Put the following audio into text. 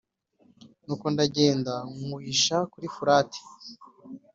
Nuko ndagenda nywuhisha kuri Ufurate